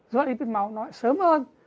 rất ít mạch máu nó lại sớm hơn